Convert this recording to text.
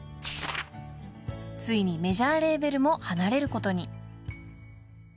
［ついにメジャーレーベルも離れることに］